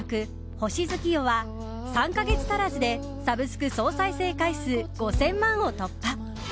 「星月夜」は３か月足らずでサブスク総再生回数５０００万を突破。